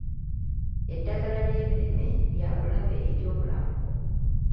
Eddagala ly'ebirime lya bulabe eri obulamu bwo.